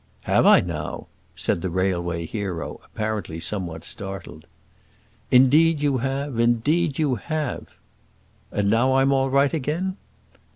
"Have I, now?" said the railway hero, apparently somewhat startled. "Indeed you have; indeed you have." "And now I'm all right again?"